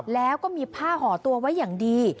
แล้วก็มีผ้าห่อตัวไว้อย่างดี